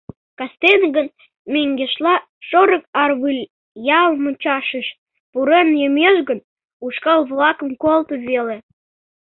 Кастене гын, мӧҥгешла, — шорык арвыль ял мучашыш пурен йомеш гын, ушкал-влакым колто веле...